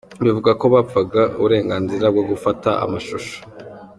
Bivugwa ko bapfaga uburenganzira bwo gufata amashusho.